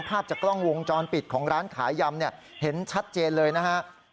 ภาพจากกล้องวงจรปิดของร้านขายยำเนี่ยเห็นชัดเจนเลยนะฮะ